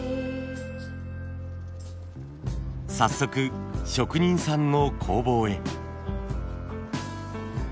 早速職人さんの工房へ。